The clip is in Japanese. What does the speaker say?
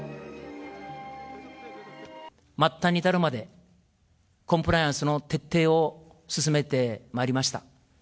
末端に至るまで、コンプライアンスの徹底を進めてまいりました。